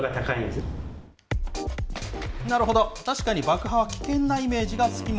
なるほど、確かに爆破は危険なイメージが付き物。